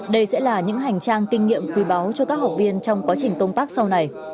đây sẽ là những hành trang kinh nghiệm quý báu cho các học viên trong quá trình công tác sau này